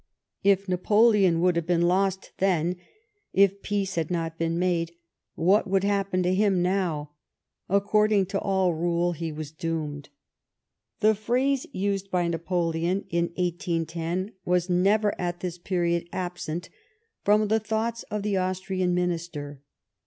If Napoleon would have been " lost " then, if peace had not been made, what would happen to him now ? According to all rule he was doomed. The phrase used by Napoleon in 1810 was never at this period absent from the thoughts of the Austrian minister.